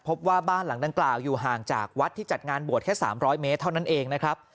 พบว่าบ้านหลังดังกล่าวอยู่ห่างจากวัดที่จัดงานบวชแค่๓๐๐เมตรเท่านั้นเองนะครับ